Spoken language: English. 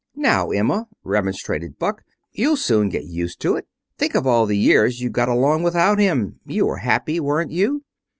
"Now, Emma," remonstrated Buck, "you'll soon get used to it. Think of all the years you got along without him. You were happy, weren't you?"